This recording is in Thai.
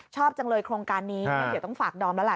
ชอบจังเลยโครงการนี้งั้นเดี๋ยวต้องฝากดอมแล้วล่ะ